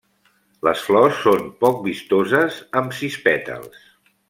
Les flors són poc vistoses amb sis pètals.